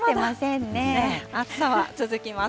暑さは続きます。